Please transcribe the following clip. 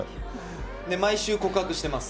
毎週告白してます。